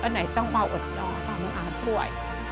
ว่าไหนต้องมาอดรอทำงานช่วย